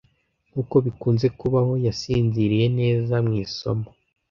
Nkuko bikunze kubaho, yasinziriye neza mu isomo.